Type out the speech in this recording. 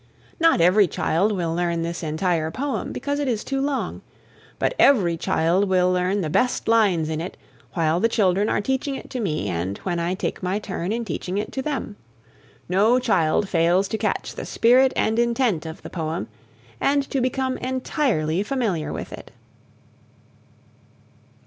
Not every child will learn this entire poem, because it is too long. But every child will learn the best lines in it while the children are teaching it to me and when I take my turn in teaching it to them. No child fails to catch the spirit and intent of the poem and to become entirely familiar with it.